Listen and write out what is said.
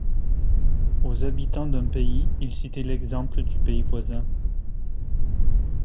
Aux habitants d’un pays il citait l’exemple du pays voisin.